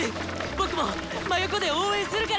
僕も真横で応援するから！